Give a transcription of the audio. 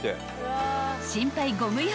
［心配ご無用］